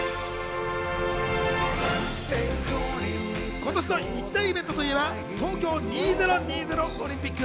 今年の一大イベントといえば、東京２０２０オリンピック。